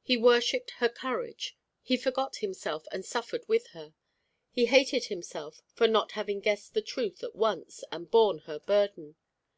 He worshipped her courage. He forgot himself and suffered with her. He hated himself for not having guessed the truth at once, and borne her burden.